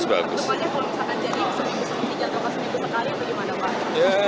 sebenarnya kalau misalkan jadi seminggu seminggu jatuh pasang itu sekali bagaimana pak